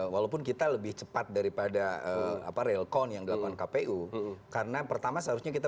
walaupun kita lebih cepat daripada apa realcon yang dapat kpu karena pertama seharusnya kita